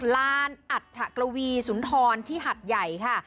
ลานอัฐกวีสุนทรที่หัดใหญ่ค่ะ